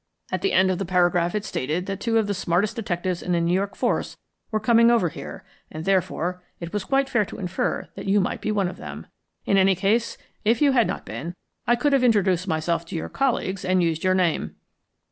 At the end of the paragraph it stated that two of the smartest detectives in the New York Force were coming over here, and, therefore, it was quite fair to infer that you might be one of them. In any case, if you had not been, I could have introduced myself to your colleagues and used your name."